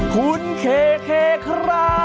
คุณเคครับ